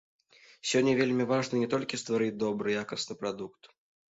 Сёння вельмі важна не толькі стварыць добры, якасны прадукт.